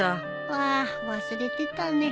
ああ忘れてたね。